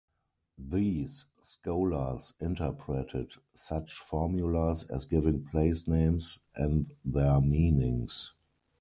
These scholars interpreted such formulas as giving place names and their meanings.